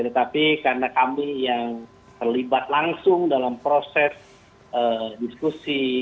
tetapi karena kami yang terlibat langsung dalam proses diskusi